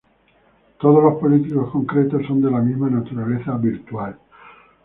Todos los políticos concretos son de la misma naturaleza virtual.